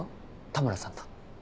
田村さんと。